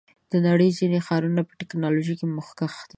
د نړۍ ځینې ښارونه په ټیکنالوژۍ کې مخکښ دي.